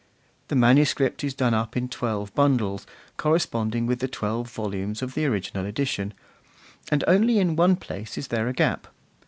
The manuscript is done up in twelve bundles, corresponding with the twelve volumes of the original edition; and only in one place is there a gap.